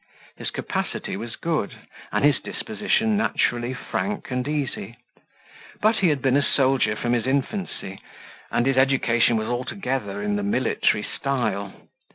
His capacity was good, and his disposition naturally frank and easy; but he had been a soldier from his infancy, and his education was altogether in the military style.